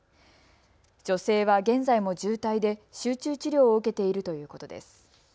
女性は現在も重体で集中治療を受けているということです。